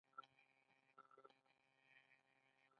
پسه د شفقت او مهربانۍ ژبه ده.